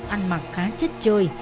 ăn mặc khá chất chơi